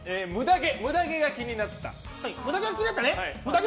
むだ毛が気になった。